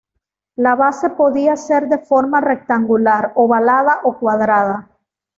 La base podía ser de forma rectangular, ovalada o cuadrada.